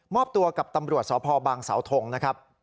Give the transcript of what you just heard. อบตัวกับตำรวจสพบางสาวทงนะครับ